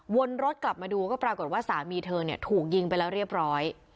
วนรถกลับมาดูก็ปรากฏว่าสามีเธอเนี่ยถูกยิงไปแล้วเรียบร้อย